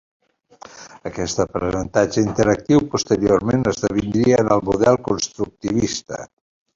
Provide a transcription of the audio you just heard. Aquest aprenentatge interactiu posteriorment esdevindria en el model constructivista.